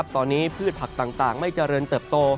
ตอนนี้พืชผักต่างไม่เจริญเติบโต